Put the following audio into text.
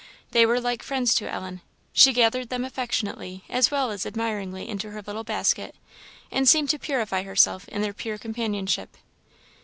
They were like friends to Ellen; she gathered them affectionately as well as admiringly into her little basket, and seemed to purify herself in their pure companionship.